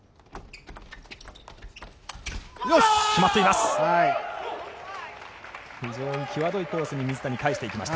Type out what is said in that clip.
決まっています。